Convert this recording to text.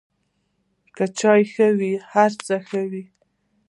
که چای ښه وي، هر څه ښه وي.